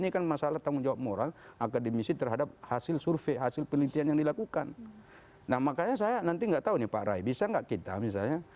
pemilu kurang dari tiga puluh hari lagi hasil survei menunjukkan hanya ada empat partai